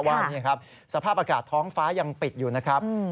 ว่านี่ครับสภาพอากาศท้องฟ้ายังปิดอยู่นะครับ